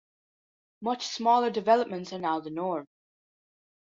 Much smaller developments are now the norm.